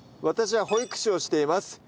私は保育士をしています。